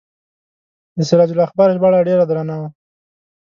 د سراج الاخبار ژباړه ډیره درنه وه.